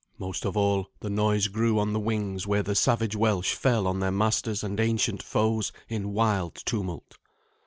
Most of all, the noise grew on the wings where the savage Welsh fell on their masters and ancient foes in wild tumult.